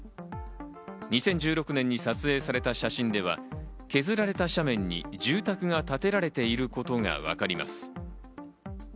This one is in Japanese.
２０１６年に撮影された写真では削られた斜面に住宅が建てられていることがわかります。